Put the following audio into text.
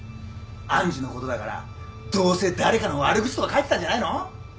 愛珠のことだからどうせ誰かの悪口とか書いてたんじゃないの？